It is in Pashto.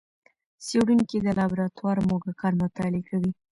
څېړونکي د لابراتوار موږکان مطالعه کوي.